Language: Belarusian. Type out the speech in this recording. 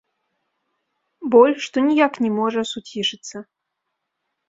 Боль, што ніяк не можа суцішыцца.